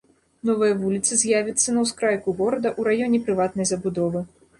Новая вуліца з'явіцца на ўскрайку горада ў раёне прыватнай забудовы.